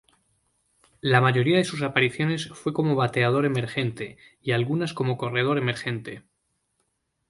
La mayoría de sus apariciones fue como bateador emergente, y algunas como corredor emergente.